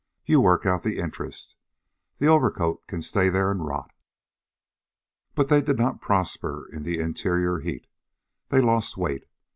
You work out the interest. The overcoat can stay there an' rot." But they did not prosper in the interior heat. They lost weight.